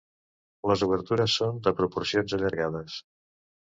Les obertures són de proporcions allargades.